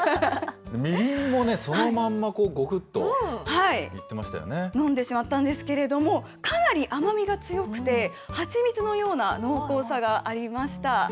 みりんもね、そのまんまごくっと飲んでしまったんですけれども、かなり甘みが強くて、蜂蜜のような濃厚さがありました。